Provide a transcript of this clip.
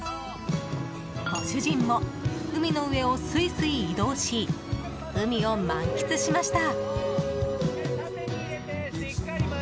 ご主人も海の上をすいすい移動し海を満喫しました。